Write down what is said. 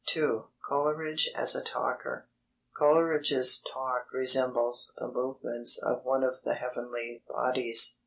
(2) COLERIDGE AS A TALKER Coleridge's talk resembles the movements of one of the heavenly bodies.